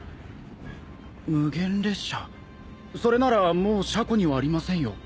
それならもう車庫にはありませんよ。